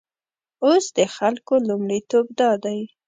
اوس د خلکو لومړیتوب دادی.